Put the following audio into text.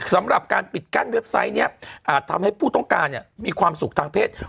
สำหรับการปิดกั้นเว็บไซต์นี้อาจทำให้ผู้ต้องการเนี่ยมีความสุขทางเพศ